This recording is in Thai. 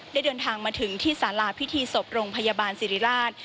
เดินทางมาถึงที่สาราพิธีศพโรงพยาบาลสิริราช